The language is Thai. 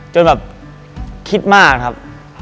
จนแบบคิดมากครับ